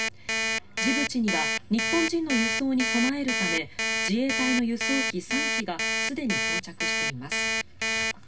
ジブチには日本人の輸送に備えるため自衛隊の輸送機３機がすでに到着しています。